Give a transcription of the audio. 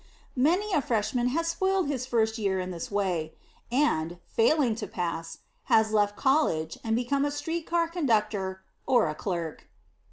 Many a Freshman has spoiled his first year in this way; and, failing to pass, has left College and become a street car conductor or a clerk.